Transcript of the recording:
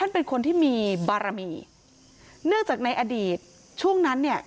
เป็นคนที่มีบารมีเนื่องจากในอดีตช่วงนั้นเนี่ย